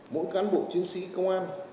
mỗi cán bộ chiến sĩ công an